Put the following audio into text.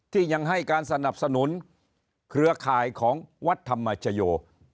ที่ยังให้การสนับสนุนเครือข่ายของวัดธรรมชโย